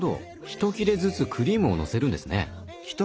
ひと切れずつクリームをのせるんですね。